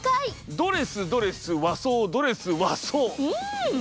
ドレスドレス和装ドレス和装。